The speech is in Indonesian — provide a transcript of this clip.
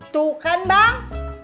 tuh kan bang